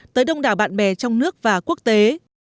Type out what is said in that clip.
tới đông đảo bạn bè trong nước và quốc tế